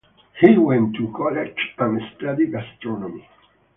He went to college and studied astronomy.